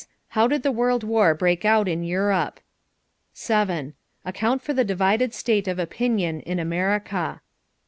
How did the World War break out in Europe? 7. Account for the divided state of opinion in America.